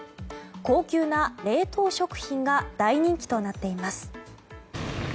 高級な冷凍食品が大人気となっています。